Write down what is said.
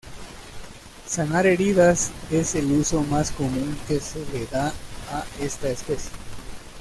Sanar heridas es el uso más común que se le da a esta especie.